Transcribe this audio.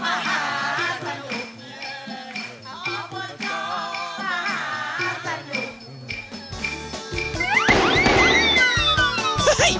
อบจมหาสนุก